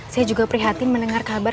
saya juga prihatin mendengar kabar